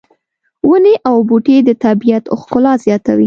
ونې او بوټي د طبیعت ښکلا زیاتوي